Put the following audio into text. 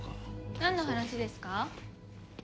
なんの話ですか？